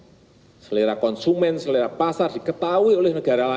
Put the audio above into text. jangan sampai data kita selera konsumen selera pasar diketahui oleh negara lain